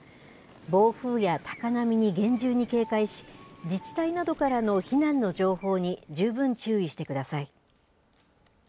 暴風や高波に厳重に警戒し、自治体などからの避難の情報に十分注意してください。